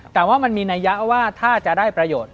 แต่ว่ามันมีนัยยะว่าถ้าจะได้ประโยชน์